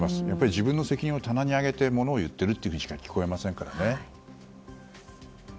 自分の責任を棚に上げて物を言っているというふうにしか聞こえませんからね。